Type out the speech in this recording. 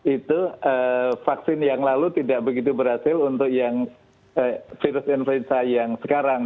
itu vaksin yang lalu tidak begitu berhasil untuk yang virus influenza yang sekarang